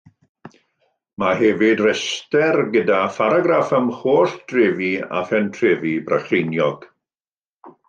Mae hefyd restr gyda pharagraff am holl drefi a phentrefi Brycheiniog.